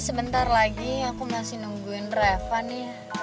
sebentar lagi aku masih nungguin berapa nih